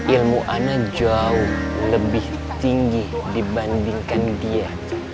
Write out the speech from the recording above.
ilmu ana jauh lebih tinggi dibandingkan dia